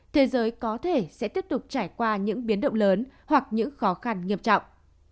thế giới có thể sẽ tiếp tục trải qua những biến động lớn hoặc những khó khăn nghiêm trọng